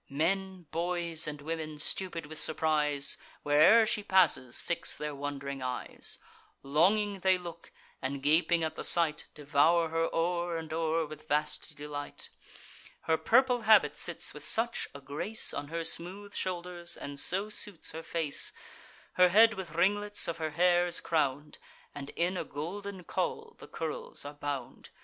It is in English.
Men, boys, and women, stupid with surprise, Where'er she passes, fix their wond'ring eyes: Longing they look, and, gaping at the sight, Devour her o'er and o'er with vast delight; Her purple habit sits with such a grace On her smooth shoulders, and so suits her face; Her head with ringlets of her hair is crown'd, And in a golden caul the curls are bound.